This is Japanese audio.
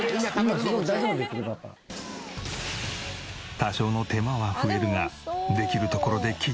多少の手間は増えるができるところできっちり節約。